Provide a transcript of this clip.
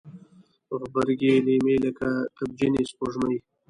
غبرګي لیمې لکه تبجنې سپوږمۍ